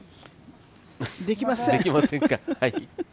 できません。